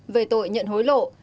về tội nhận hối lộ